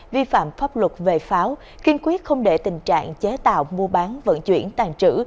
tại pháp luật về pháo kiên quyết không để tình trạng chế tạo mua bán vận chuyển tàn trữ